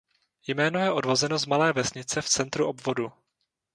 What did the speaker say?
Jméno je odvozeno z malé vesnice v centru obvodu.